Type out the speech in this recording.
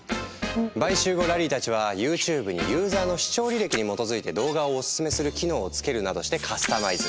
買収後ラリーたちはＹｏｕＴｕｂｅにユーザーの視聴履歴に基づいて動画をオススメする機能をつけるなどしてカスタマイズ！